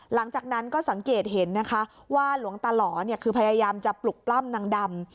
หลังจากนั้นก็สังเกตเห็นนะคะว่าหลวงตาหล่อคือพยายามจะปลุกปล้ำนางดำ